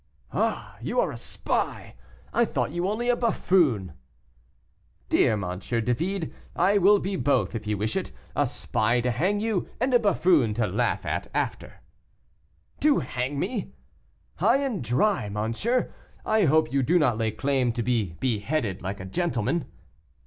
"Ah, you are a spy! I thought you only a buffoon." "Dear M. David, I will be both if you wish it: a spy to hang you, and a buffoon to laugh at it after." "To hang me!" "High and dry, monsieur; I hope you do not lay claim to be beheaded like a gentleman."